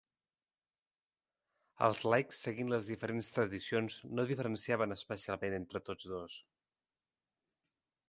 Els laics seguint les diferents tradicions no diferenciaven especialment entre tots dos.